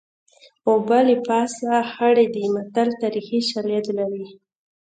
اوبه له پاسه خړې دي متل تاریخي شالید لري